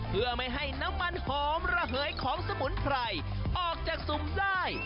เพื่อไม่ให้น้ำมันหอมระเหยของสมุนไพรออกจากซุมได้